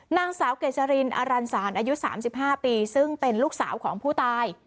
นางสาวเกษรินอรันสารอายุ๓๕ปีซึ่งเป็นลูกสาวของผู้ตาย